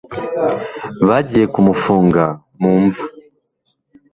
bagiye kumufunga mu mva